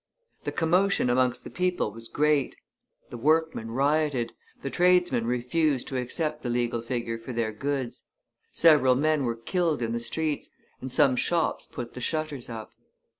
The commotion amongst the people was great; the workmen rioted, the tradesmen refused to accept the legal figure for their goods; several men were killed in the streets, and some shops put the shutters up.